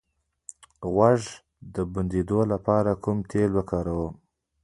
د غوږ د بندیدو لپاره کوم تېل وکاروم؟